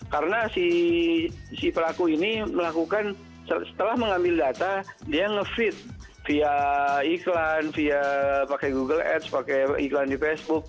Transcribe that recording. karena si pelaku ini melakukan setelah mengambil data dia nge feed via iklan via pakai google ads pakai iklan di facebook